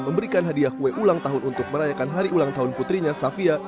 memberikan hadiah kue ulang tahun untuk merayakan hari ulang tahun putrinya safia